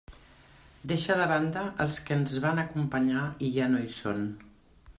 Deixa de banda els que ens van acompanyar i ja no hi són.